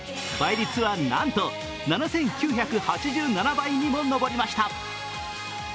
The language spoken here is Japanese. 倍率はなんと、７９８７倍にも上りました。